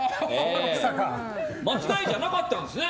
間違いじゃなかったんですね